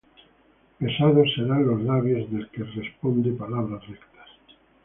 Besados serán los labios Del que responde palabras rectas.